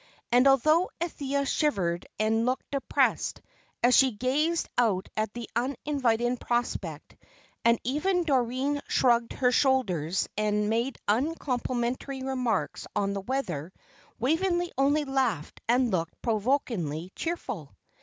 And though Althea shivered and looked depressed, as she gazed out at the uninviting prospect, and even Doreen shrugged her shoulders and made uncomplimentary remarks on the weather, Waveney only laughed and looked provokingly cheerful.